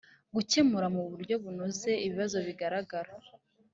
gukemura mu buryo bunoze ibibazo bigaragara